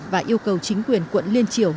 và yêu cầu chính quyền quận liên triều